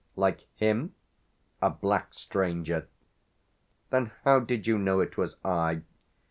"Like him?" "A black stranger!" "Then how did you know it was I?"